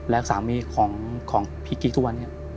และสามีของพี่กิ๊กทุกวันนี้